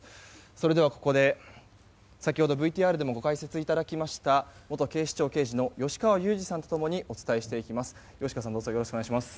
それでは、ここで先ほどＶＴＲでもご解説いただきました元警視庁刑事の吉川祐二さんと共にお伝えしていきます。